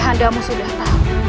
tidak kamu sudah tahu